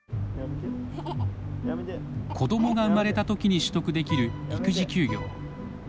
子どもが生まれたときに取得できる育児休業。